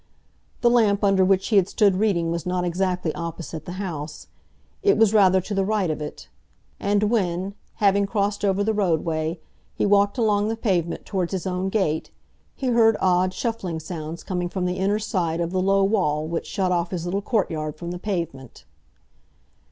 The lamp under which he had stood reading was not exactly opposite the house. It was rather to the right of it. And when, having crossed over the roadway, he walked along the pavement towards his own gate, he heard odd, shuffling sounds coming from the inner side of the low wall which shut off his little courtyard from the pavement.